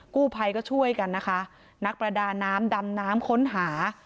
กู้ภัยก็ช่วยกันนะคะนักประดาน้ำดำน้ำค้นหา